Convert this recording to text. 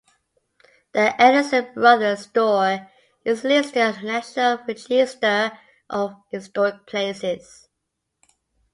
The Anderson Brothers Store is listed on the National Register of Historic Places.